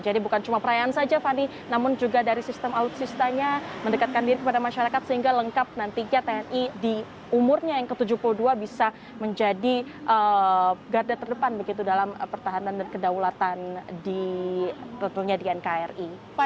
jadi bukan cuma perayaan saja fani namun juga dari sistem alutsistanya mendekatkan diri kepada masyarakat sehingga lengkap nantinya tni di umurnya yang ke tujuh puluh dua bisa menjadi garda terdepan dalam pertahanan dan kedaulatan di tni nkri